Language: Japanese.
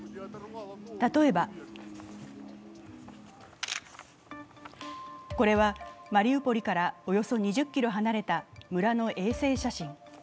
例えばこれはマリウポリからおよそ２０ｋｍ離れた村の衛星写真。